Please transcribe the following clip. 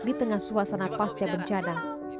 di tengah suasana pasca bencana